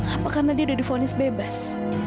apa karena dia sudah difonis bebas